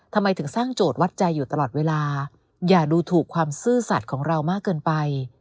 ทำไมถึงสร้างโจทย์วัดใจอยู่ตลอดเวลาอย่าดูถูกความซื่อสัตว์ของเรามากเกินไป